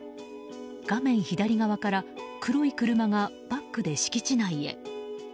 画面左側から黒い車がバックで敷地内へ。